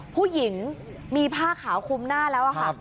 ผู้หญิงมีผ้าขาวคุมหน้าแล้วค่ะ